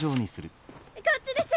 こっちです